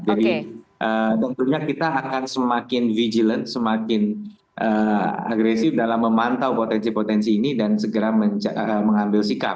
jadi tentunya kita akan semakin vigilant semakin agresif dalam memantau potensi potensi ini dan segera mengambil sikap